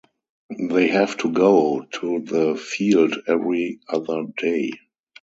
They have to go to the field every other day.